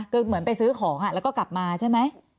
คือเหมือนไปซื้อของแล้วก็กลับมาใช่ไหม